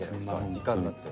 時間になって。